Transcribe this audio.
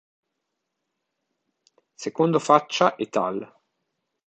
Secondo Faccia et al.